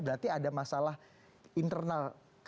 berarti ada masalah internal